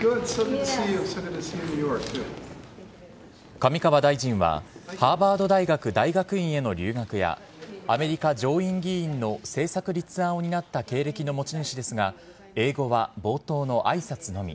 上川大臣は、ハーバード大学大学院への留学や、アメリカ上院議員の政策立案を担った経歴の持ち主ですが、英語は冒頭のあいさつのみ。